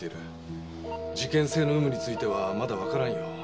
事件性の有無についてはまだわからんよ。